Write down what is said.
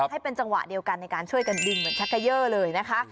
ให้เป็นจังหวะเดียวกันในการช่วยกันดึงเหมือนชักเกย่อเลยนะคะ